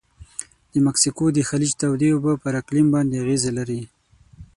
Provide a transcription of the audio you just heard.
د مکسیکو د خلیج تودې اوبه پر اقلیم باندې اغیزه لري.